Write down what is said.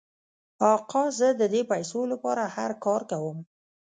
آقا زه د دې پیسو لپاره هر کار کوم.